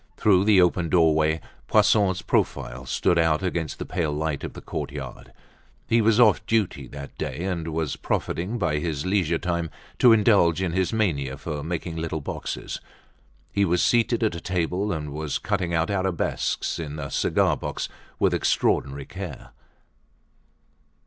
Through the open doorway, Poisson's profile stood out against the pale light of the courtyard. He was off duty that day and was profiting by his leisure time to indulge in his mania for making little boxes. He was seated at a table and was cutting out arabesques in a cigar box with extraordinary care.